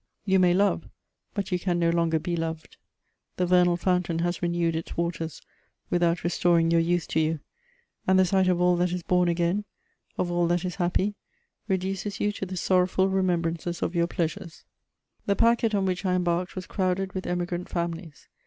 You may love, but you can no longer be loved. The vernal fountain has renewed its waters without restoring your youth to you, and the sight of all that is born again, of all that is happy, reduces you to the sorrowful remembrance of your pleasures. * The packet on which I embarked was crowded with Emigrant families.